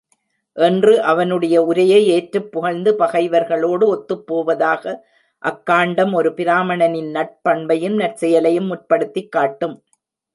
என்று அவனுடைய உரையை ஏற்றுப் புகழ்ந்து பகைவர்களோடு ஒத்துப்போவதாக அக்காண்டம் ஒரு பிராமணனின் நற்பண்பையும் நற்செயலையும் முற்படுத்திக் காட்டும்.